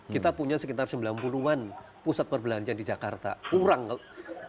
kita punya sekitar sembilan puluh an pusat perbelanjaan di jakarta kurang apa maksud saya kalau ini disebarkan ke mana saja ya